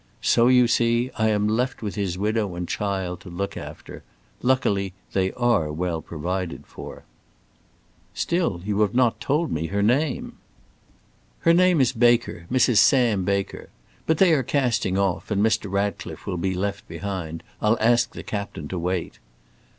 So, you see, I am left with his widow and child to look after. Luckily, they are well provided for." "Still you have not told me her name." "Her name is Baker Mrs. Sam Baker. But they are casting off, and Mr. Ratcliffe will be left behind. I'll ask the captain to wait."